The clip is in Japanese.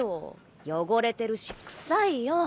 汚れてるし臭いよ。